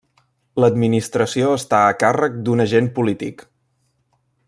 L'administració està a càrrec d'un agent polític.